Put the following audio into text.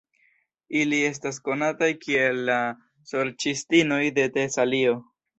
Ili estas konataj kiel la Sorĉistinoj de Tesalio.